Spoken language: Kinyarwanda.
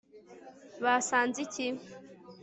basanze iki